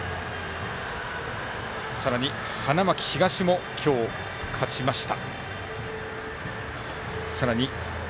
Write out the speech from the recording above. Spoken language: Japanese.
さらに花巻東も今日、勝ちました。